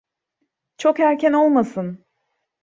Çok erken olmasın.